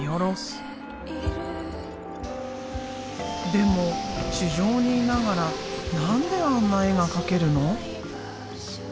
でも地上にいながら何であんな絵が描けるの？